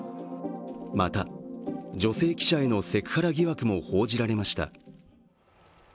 また、女性記者へのセクハラ疑惑も報じられました。